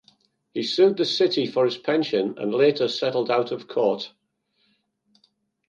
He sued the city for his pension and later settled out of court.